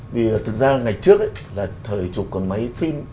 vì thực ra ngày trước ấy là thời chụp còn mấy phim